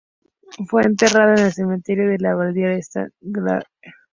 Fue enterrado en el cementerio de la Abadía de Saint-Wandrille.